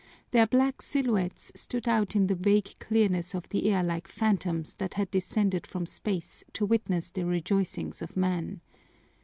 Their black silhouettes stood out in the vague clearness of the air like phantoms that had descended from space to witness the rejoicings of men.